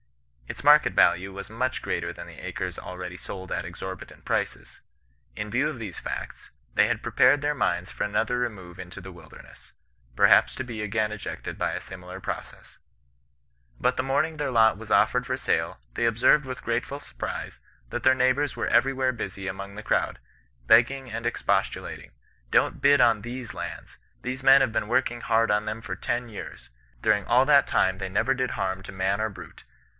Its market value was much greater than the acres already sold at exorbitant prices. In view of these facts, they had prepared their minds for another remove into the wilderness, perhaps to be again ejected by a similar process. But the morning their lot was offered for sale, they observed with gratefiu surprise, that their neighbours were everywhere busy among the crowd, begging and expostulating :* Don't bid on tJiese lands ! These men have been working hard on them for ten years. During all that time, they never did harm to man or brute.